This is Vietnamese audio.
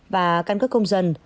và căn cấp công dân